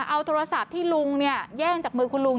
เอาโทรศัพท์ที่ลุงแย่งจากมือคุณลุง